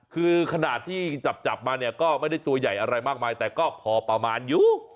คือขนาดที่จับมาเนี่ยก็ไม่ได้ตัวใหญ่อะไรมากมายแต่ก็พอประมาณอยู่